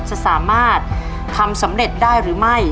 จะสามารถทำสำเร็จได้หรือไม่